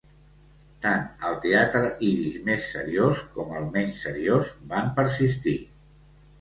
Tant el teatre ídix més seriós com el menys seriós van persistir.